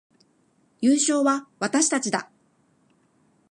優勝は私たちだ